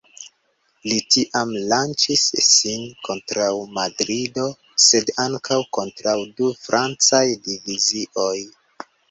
Li tiam lanĉis sin kontraŭ Madrido sed ankaŭ kontraŭ du francaj divizioj.